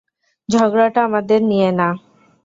ঝগড়াটা আমাদের নিয়ে না।